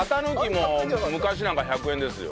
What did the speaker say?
もう昔なんか１００円ですよ。